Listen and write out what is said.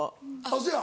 そや。